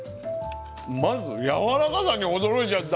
まずやわらかさに驚いちゃった。